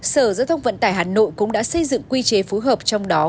sở giao thông vận tải hà nội cũng đã xây dựng quy chế phối hợp trong đó